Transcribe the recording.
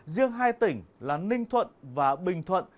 riêng hai tỉnh là ninh thuận và bình thuận